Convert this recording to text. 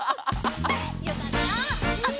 よかった。